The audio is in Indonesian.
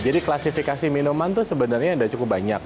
jadi klasifikasi minuman itu sebenarnya ada cukup banyak